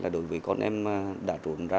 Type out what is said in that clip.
đối với con em đã trốn ra